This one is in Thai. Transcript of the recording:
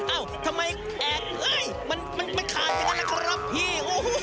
เอ้าทำไมแอบมันไม่ขายอย่างนั้นล่ะครับพี่